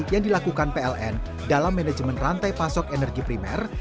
yang dilakukan pln dalam manajemen rantai pasok energi primer